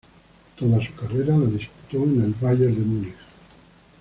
Toda su carrera la disputó en el Bayern de Múnich.